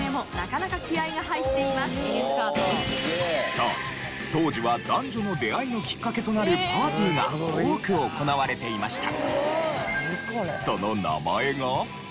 そう当時は男女の出会いのきっかけとなるパーティーが多く行われていました。